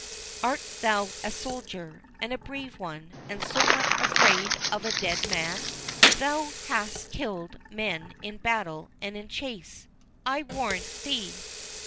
Art thou a soldier, and a brave one, and so much afraid of a dead man? Thou hast killed men in battle and in chase, I warrant thee."